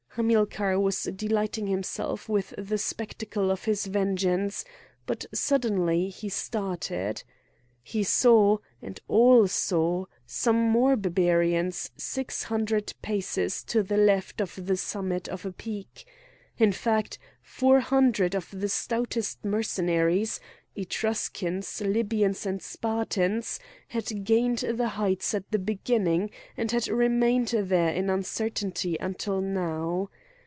Hamilcar was delighting himself with the spectacle of his vengeance, but suddenly he started. He saw, and all saw, some more Barbarians six hundred paces to the left on the summit of a peak! In fact four hundred of the stoutest Mercenaries, Etruscans, Libyans, and Spartans had gained the heights at the beginning, and had remained there in uncertainty until now.